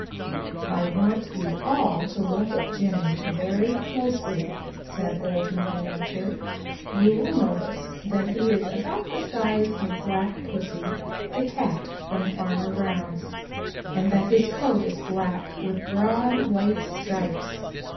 "I want you all to look at Jimmy very closely," said Old Mother Nature. "You will notice that he is about the size of Black Pussy, the Cat from Farmer Brown's, and that his coat is black with broad white stripes.